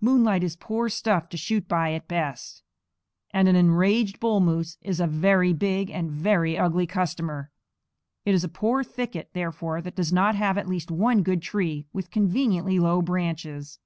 Moonlight is poor stuff to shoot by at best, and an enraged bull moose is a very big and a very ugly customer. It is a poor thicket, therefore, that does not have at least one good tree with conveniently low branches.